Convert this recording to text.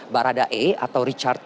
baradae atau richard